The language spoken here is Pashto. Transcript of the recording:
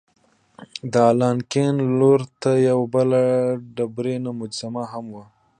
د دالان کیڼ لور ته یوه بله ډبرینه مجسمه هم وه.